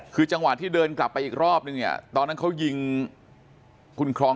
คือจังหวะที่เดินกลับไปอีกรอบนึงเนี่ยตอนนั้นเขายิงคุณครอง